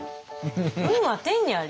「運は天にあり」？